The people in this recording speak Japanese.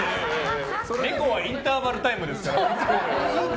ネコはインターバルタイムですから。